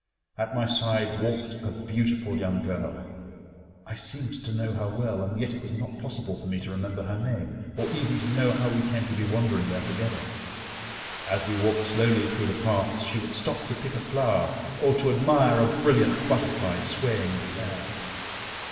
At my side walked a beautiful young girl. I seemed to know her well, and yet it was not possible for me to remember her name, or even to know how we came to be wandering there together. As we walked slowly through the paths she would stop to pick a flower or to admire a brilliant butterfly swaying in the air.